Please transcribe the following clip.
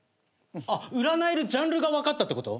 あっ占えるジャンルが分かったってこと？